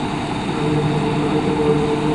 একজন লোক যে তার দায়িত্বের ব্যাপারে ছিল ওয়াকিবহাল।